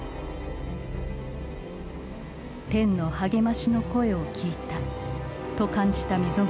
「天の励ましの声を聴いた」と感じた溝口。